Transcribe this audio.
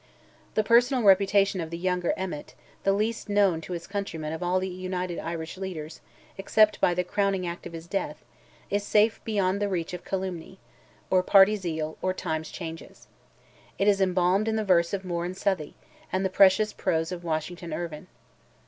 The personal reputation of the younger Emmet, the least known to his countrymen of all the United Irish leaders, except by the crowning act of his death, is safe beyond the reach of calumny, or party zeal, or time's changes. It is embalmed in the verse of Moore and Southey, and the precious prose of Washington Irvine.